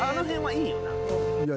いや。